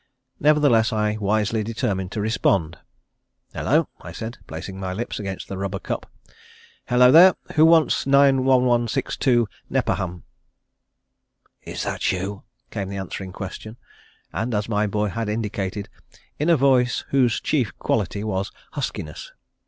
Nevertheless I wisely determined to respond. "Hello," I said, placing my lips against the rubber cup. "Hello there, who wants 91162 Nepperhan?" "Is that you?" came the answering question, and, as my boy had indicated, in a voice whose chief quality was huskiness.